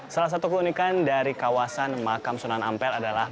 salah satu keunikan dari kawasan makam sunan ampel adalah